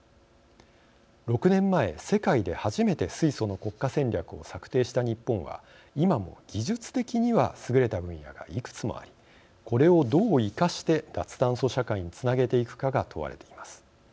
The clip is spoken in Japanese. ６年前世界で初めて水素の国家戦略を策定した日本は今も技術的には優れた分野がいくつもありこれをどう生かして脱炭素社会につなげていくかが問われています。